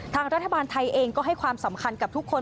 ทางรัฐบาลไทยเองก็ให้ความสำคัญกับทุกคน